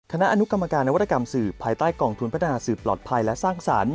คณะอนุกรรมการนวัตกรรมสื่อภายใต้กองทุนพัฒนาสื่อปลอดภัยและสร้างสรรค